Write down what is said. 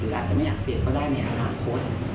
หรืออาจจะไม่หักเสพก็ได้ในอาหารคน